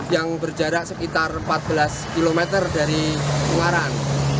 yang berjarak sekitar empat belas km dari ungaran